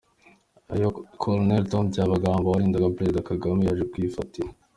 .ayo Col Tom Byabagamba warindaga President kagame yaje kwifatira